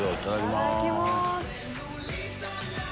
いただきます。